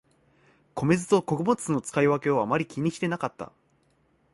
米酢と穀物酢の使い分けをあまり気にしてなかった